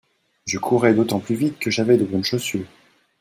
Je courais d’autant plus vite que j’avais de bonnes chaussures.